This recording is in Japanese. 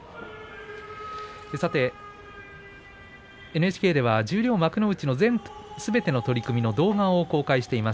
ＮＨＫでは十両、幕内のすべての取組の動画を公開しています。